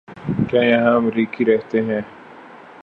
کیا یہاں امریکی رہتے ہیں؟